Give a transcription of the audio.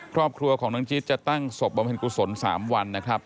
ครอบครัวของน้องจิ๊ดจะตั้งศพบำเพ็ญกุศล๓วันนะครับ